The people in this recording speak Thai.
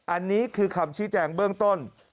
อันนี้คือคำชี้แจงเบื้องต้น